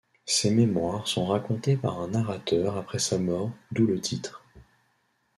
Ces mémoires sont racontés par un narrateur après sa mort, d'où le titre.